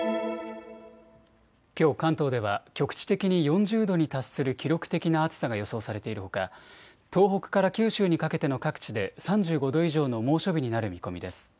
きょう関東では局地的に４０度に達する記録的な暑さが予想されているほか東北から九州にかけての各地で３５度以上の猛暑日になる見込みです。